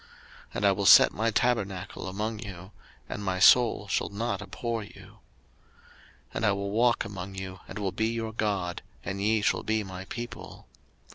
03:026:011 And I set my tabernacle among you: and my soul shall not abhor you. 03:026:012 And I will walk among you, and will be your God, and ye shall be my people.